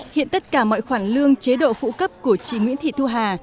hiện tất cả mọi khoản lương chế độ phụ cấp của chị nguyễn thị thu hà